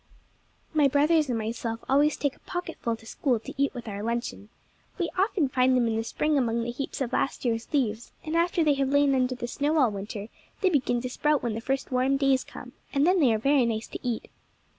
My brothers and myself always take a pocketful to school to eat with our luncheon. We often find them in the spring among the heaps of last year's leaves, and after they have lain under the snow all winter, they begin to sprout when the first warm days come, and then they are very nice to eat.